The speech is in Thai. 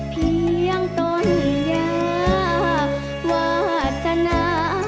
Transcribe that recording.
เพียงต้นยาวาสนา